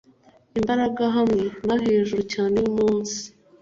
imbaraga hamwe na hejuru cyane! y'umunsi